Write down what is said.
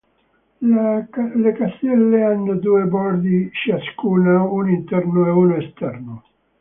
Le caselle hanno due bordi ciascuna, uno interno e uno esterno.